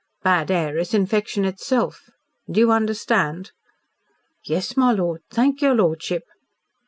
Bad air is infection itself. Do you understand?" "Yes, my lord. Thank your lordship."